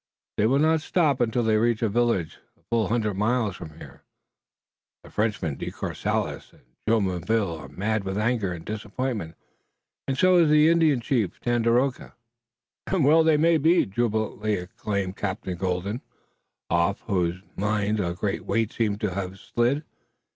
They will not stop until they reach a village a full hundred miles from here. The Frenchmen, De Courcelles and Jumonville are mad with anger and disappointment, and so is the Indian chief Tandakora." "And well they may be!" jubilantly exclaimed Captain Colden, off whose mind a great weight seemed to have slid.